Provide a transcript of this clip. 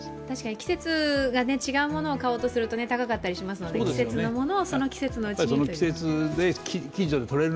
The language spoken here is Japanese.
確かに季節が違うものを買おうとすると高かったりしますので季節のものをその季節のうちにと。